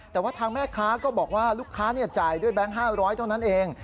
แต่ว่าทางแม่ค้าก็บอกว่าลูกค้าจ่ายด้วยแบงค์๕๐๐เท่านั้นเอง